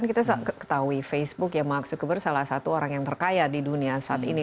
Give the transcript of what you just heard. kita ketahui facebook yang maksudku bersalah satu orang yang terkaya di dunia saat ini